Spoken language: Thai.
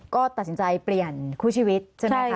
ก็ตัดสินใจเปลี่ยนคู่ชีวิตใช่ไหมคะ